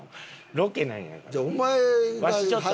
ロケなんやから。